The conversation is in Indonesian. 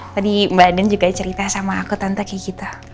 tadi mbak den juga cerita sama aku tante kayak kita